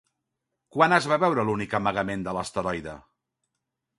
Quan es va veure l'únic amagament de l'asteroide?